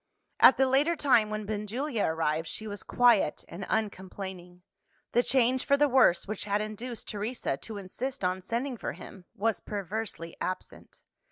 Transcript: At the later time when Benjulia arrived, she was quiet and uncomplaining. The change for the worse which had induced Teresa to insist on sending for him, was perversely absent.